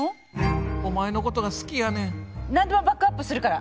何でもバックアップするから。